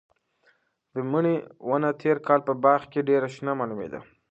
د مڼې ونه تېر کال په باغ کې ډېره شنه معلومېدله.